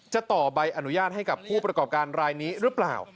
ต่อใบอนุญาตให้กับผู้ประกอบการรายนี้หรือเปล่า